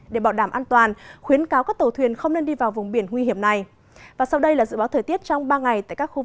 để bảo đảm an toàn khuyến cáo các tàu thuyền không nên đi vào vùng biển nguy hiểm này